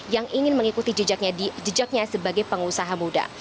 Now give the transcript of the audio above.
yang ingin mengikuti jejaknya sebagai pengusaha muda